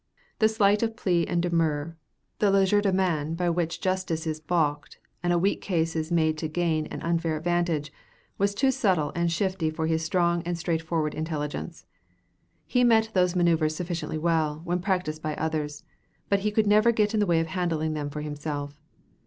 The sleight of plea and demurrer, the legerdemain by which justice is balked and a weak case is made to gain an unfair advantage, was too subtle and shifty for his strong and straightforward intelligence. He met these manoeuvres sufficiently well, when practiced by others, but he never could get in the way of handling them for himself.